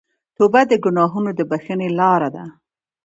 توبه د ګناهونو د بخښنې لاره ده.